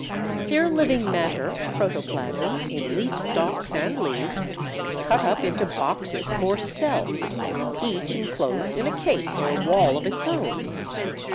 Their living matter (protoplasm) in leaf stalks and leaves is cut up into boxes or cells, each enclosed in a case or wall of its own.